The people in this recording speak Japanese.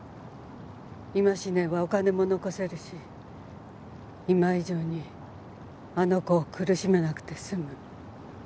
今死ねばお金も残せるし今以上にあの子を苦しめなくて済む。